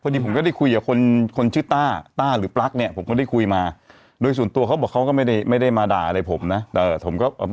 โดยส่วนตัวเขาก็เป็นคนที่คุยมากับตาตาหรือปรั๊ก